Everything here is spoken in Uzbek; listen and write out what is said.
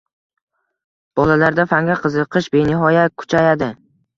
bolalarda fanga qiziqish benihoya kuchayadi;